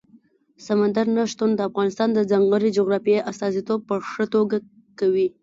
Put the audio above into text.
سمندر نه شتون د افغانستان د ځانګړي جغرافیې استازیتوب په ښه توګه کوي.